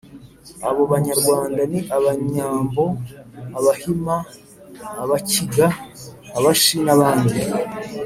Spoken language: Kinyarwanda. abo banyarwanda ni abanyambo, abahima, abakiga, abashi n'abandi.